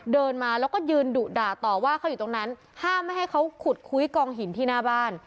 เดินมาแล้วก็ยืนดุด่าต่อว่าเขาอยู่ตรงนั้นห้ามไม่ให้เขาขุดคุยกองหินที่หน้าบ้าน